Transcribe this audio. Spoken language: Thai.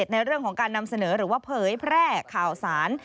ในเรื่องของการนำเสนอหรือว่าเผยแพร่ข่าวสาร